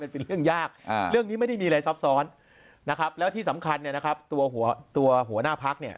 เป็นเรื่องยากเรื่องนี้ไม่ได้มีอะไรซับซ้อนนะครับแล้วที่สำคัญเนี่ยนะครับตัวหัวตัวหัวหน้าพักเนี่ย